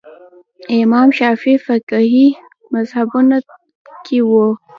امام شافعي فقهي مذهبونو کې وو